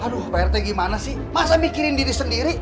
aduh pak rt gimana sih masa mikirin diri sendiri